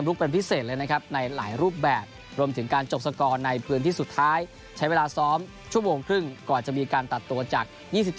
มีอาการเจ็บโคนขาหรี่